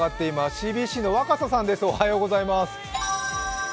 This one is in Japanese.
ＣＢＣの若狭さんです。